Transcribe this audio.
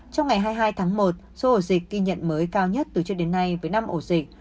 trong ngày hai mươi hai tháng một số ổ dịch ghi nhận mới cao nhất từ trước đến nay với năm ổ dịch